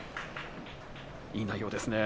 いい内容ですね。